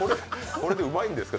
これでうまいんですか？